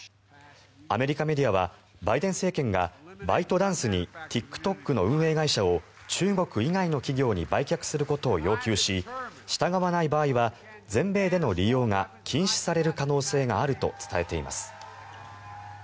アメリカメディアはバイデン政権がバイトダンスにＴｉｋＴｏｋの運営会社を中国以外の企業に売却することを要求し従わない場合は全米での利用が禁止される可能性があると伝えています。